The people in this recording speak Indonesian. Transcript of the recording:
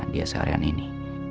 di seharian ini